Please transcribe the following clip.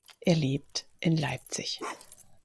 Er lebt in Leipzig.